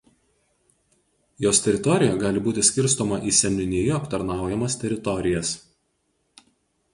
Jos teritorija gali būti skirstoma į seniūnijų aptarnaujamas teritorijas.